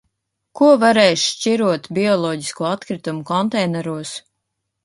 Ko varēs šķirot bioloģisko atkritumu konteineros?